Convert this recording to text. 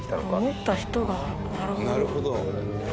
なるほど。